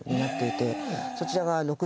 そちらが。